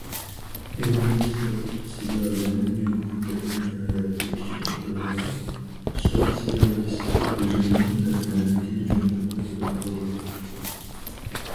ئىلمىي سوتسىيالىزم جۇڭگودا يېڭى ھاياتىي كۈچىنى ئۇرغۇتۇپ، سوتسىيالىستىك تۈزۈمنىڭ ئەۋزەللىكى جۇڭگودا تولۇق بولدى.